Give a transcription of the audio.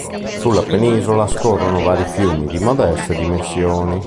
Sulla penisola scorrono vari fiumi di modeste dimensioni.